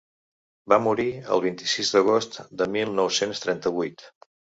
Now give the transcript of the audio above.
Va morir el vint-i-sis d’agost de mil nou-cents trenta-vuit.